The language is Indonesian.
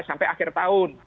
sampai akhir tahun